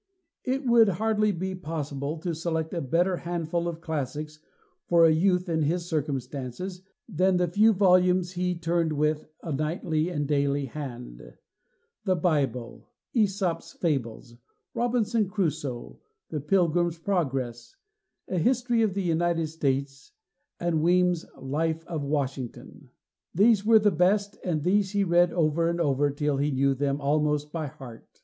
It would hardly be possible to select a better handful of classics for a youth in his circumstances than the few volumes he turned with a nightly and daily hand the Bible, "Æsop's Fables," "Robinson Crusoe," "The Pilgrim's Progress," a history of the United States, and Weems' "Life of Washington." These were the best, and these he read over and over till he knew them almost by heart.'" "Almost by heart!"